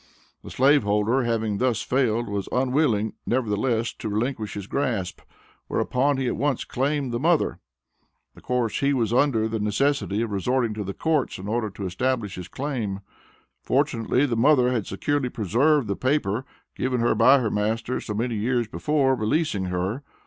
The slave holder having thus failed, was unwilling, nevertheless, to relinquish his grasp. Whereupon he at once claimed the mother. Of course he was under the necessity of resorting to the Courts in order to establish his claim. Fortunately the mother had securely preserved the paper given her by her master so many years before, releasing her.